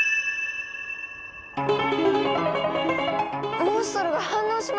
モンストロが反応しました！